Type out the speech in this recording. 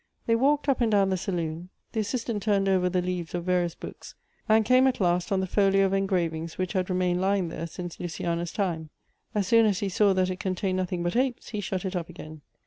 They walked up and down the saloon. The assistant turned over the leaves of various books, and came at last on the folio of engravings which had remained lying there since Luci ana's time. As soon as he saw that it contained nothing but apes, he shut it up again.